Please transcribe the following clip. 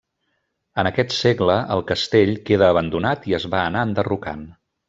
En aquest segle el castell queda abandonat i es va anar enderrocant.